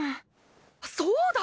そうだ！